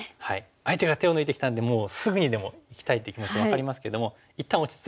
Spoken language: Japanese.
相手が手を抜いてきたんでもうすぐにでもいきたいっていう気持ち分かりますけども一旦落ち着いて。